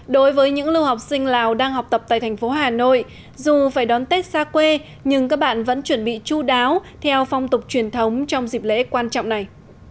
đối với những lưu học sinh lào đang học tập tại thành phố hà nội dù phải đón tết xa quê nhưng các bạn vẫn chuẩn bị chú đáo theo phong tục truyền thống trong dịp lễ quan trọng này